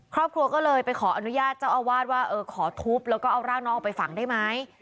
ครอบครัวก็เลยไปขออนุญาตเจ้าอาวาสว่าเออขอทุบแล้วก็เอาร่างน้องออกไปฝังได้ไหม